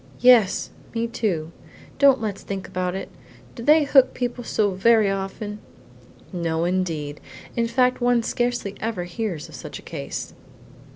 "Yes; me, too. Don't let's think about it. Do they hook people so very often?" "No indeed, in fact one scarcely ever hears of such a case."